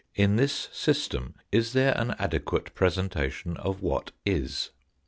In this system is there an adequate presentation of what is ?